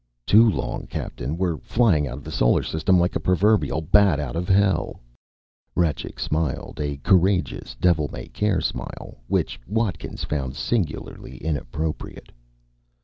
"Too long. Captain, we're flying out of the Solar System like the proverbial bat out of hell." Rajcik smiled, a courageous, devil may care smile which Watkins found singularly inappropriate.